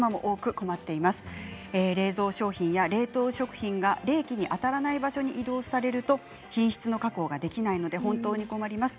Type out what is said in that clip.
冷凍食品を冷気に当たらない場所に移動されると品質の確保ができないので困ります。